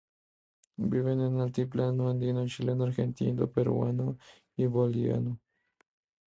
Vive en el altiplano andino chileno, argentino, peruano y boliviano.